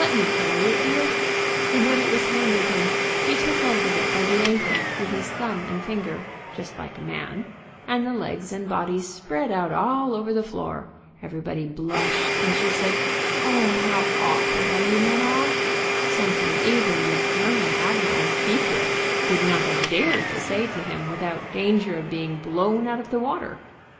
me carry it, dear," and when it was handed him he took hold of it by the ankle with his thumb and finger, just like a man, and the legs and body spread out all over the floor, everybody blushed, and she said, "O, how awkward all you men are," something even the German Admiral Diedrich would not have dared to say to him without danger of being blown out of the water.